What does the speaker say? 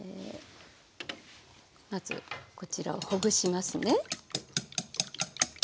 まずこちらをほぐしますね。